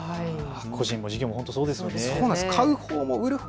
個人も事業も本当にそうですね。